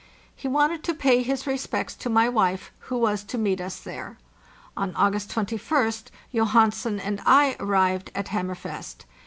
He wanted to pay his respects to my wife, who was to meet us there. On August 21st Johansen and I arrived at Hammerfest.